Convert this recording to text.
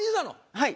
はい？